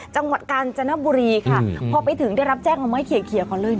จังหวัดกาญจนบุรีค่ะพอไปถึงได้รับแจ้งเอาไม้เคลียร์ก่อนเลยนะ